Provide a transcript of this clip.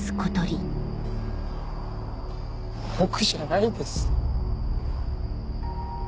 僕じゃないです。